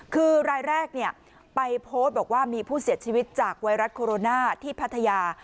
คือรายแรกไปโพสต์บอกว่ามีผู้เสียชีวิตจากไวรัสโคโรนาที่พัทยา